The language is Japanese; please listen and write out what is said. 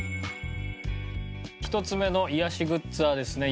１つ目の癒やしグッズはですね